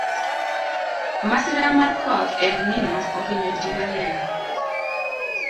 Masira mar koth elnino ohinyo ji mang’eny